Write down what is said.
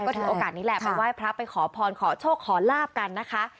ถือโอกาสนี้แหละไปไหว้พระไปขอพรขอโชคขอลาบกันนะคะ